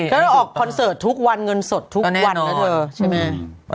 ก็ต้องออกคอนเสิร์ตทุกวันเงินสดทุกวันแน่นอนแล้วเถอะใช่มั้ย